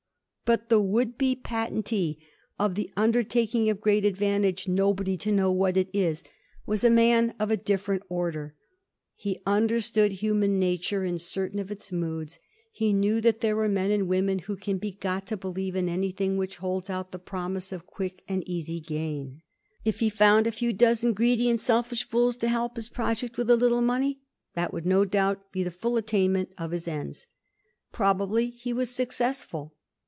But the would be patentee of the undertaking of great advantage, nobody to know what it is, was a man of a different Digiti zed by Google 1720. THE BUBBLE BUKSTS. 253 order. He understood human nature in certain of its moods. He knew that there are men and women who can be got to believe in anything which holds out the promise of quick and easy gain. If he found a few dozen greedy and selfish fools to help his pro ject with a little money, that would no doubt be the full attainment of his ends. Probably he was suc cessful.